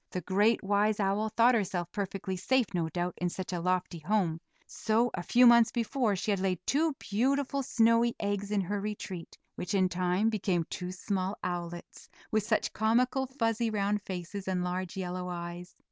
The great, wise owl thought herself perfectly safe, no doubt, in such a lofty home; so, a few months before, she had laid two beautiful snowy eggs in her retreat, which in time became two small owlets, with such comical, fuzzy, round faces, and large yellow eyes.